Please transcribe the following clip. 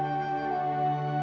pesek air papi